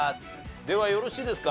ではよろしいですか？